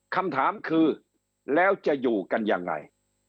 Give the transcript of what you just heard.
คำถามคือแล้วจะอยู่กันยังไง